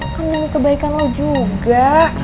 kan demi kebaikan lo juga